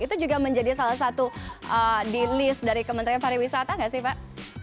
itu juga menjadi salah satu di list dari kementerian pariwisata nggak sih pak